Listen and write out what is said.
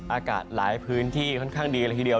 อากาศหลายพื้นที่ค่อนข้างดีเลยทีเดียว